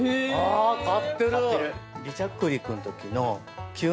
あ買ってる！